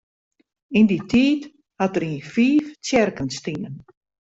Yn dy tiid hat er yn fiif tsjerken stien.